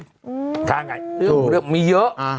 มีกว้าไงมีเยอะ